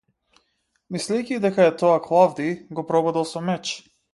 Мислејќи дека е тоа Клавдиј, го прободел со меч.